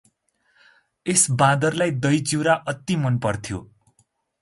त्यस बाँदरलाई दही चिउरा अति मन पथ्र्याे ।